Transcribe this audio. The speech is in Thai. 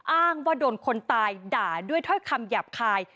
อ้างว่าโดนคนตายด่าด้วยถ้อยคำหยาบคาย